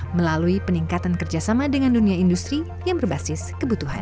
melalui peningkatan kerjasama dengan dunia industri yang berbasis kebutuhan